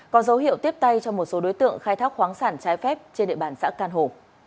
có dấu hiệu tiếp tay cho một số đối tượng khai thác khoáng sản trái phép trên địa bàn xã can hồ